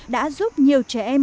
đã giúp nhiều trẻ em